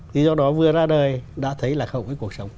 thì do đó vừa ra đời đã thấy là khẩu với cuộc sống